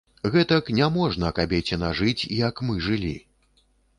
Гэтак няможна, кабецiна, жыць, як мы жылi...